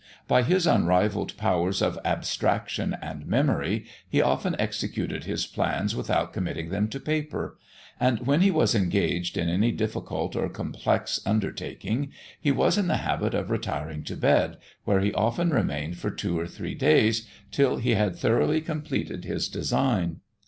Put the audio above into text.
By his unrivalled powers of abstraction and memory, he often executed his plans without committing them to paper; and when he was engaged in any difficult or complex undertaking, he was in the habit of retiring to bed, where he often remained for two or three days, till he had thoroughly completed his design.